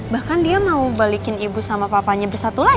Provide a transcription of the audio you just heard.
bahkan dia mau balikin ibu sama papanya bersatu lagi